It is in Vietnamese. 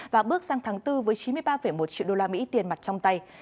và bước sang tháng bốn với chín mươi ba một triệu đô la mỹ tiền mặt trong tay